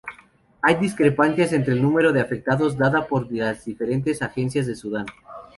Hay discrepancias entre el número de afectados dada por las diferentes agencias de Sudán.